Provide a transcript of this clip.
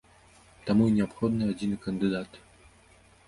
Таму і неабходны адзіны кандыдат.